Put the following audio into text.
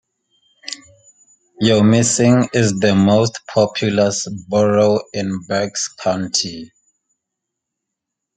Wyomissing is the most populous borough in Berks County.